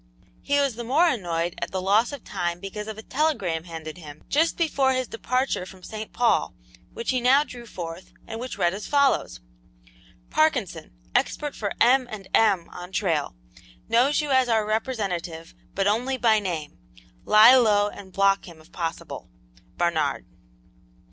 He was the more annoyed at the loss of time because of a telegram handed him just before his departure from St. Paul, which he now drew forth, and which read as follows: "Parkinson, expert for M. and M. on trail. Knows you as our representative, but only by name. Lie low and block him if possible. "BARNARD."